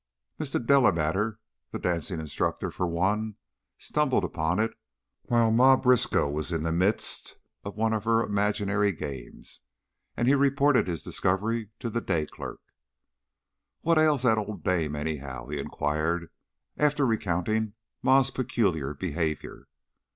Mr. Delamater, the dancing instructor, for one, stumbled upon it while Ma Briskow was in the midst of one of her imaginary games, and he reported his discovery to the day clerk. "What ails that old dame, anyhow?" he inquired, after recounting Ma's peculiar behavior.